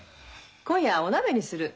今夜お鍋にする。